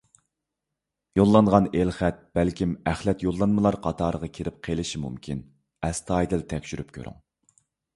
يوللانغان ئېلخەت بەلكىم ئەخلەت يوللانمىلار قاتارىغا كىرىپ قېلىشى مۇمكىن، ئەستايىدىل تەكشۈرۈپ كۆرۈڭ.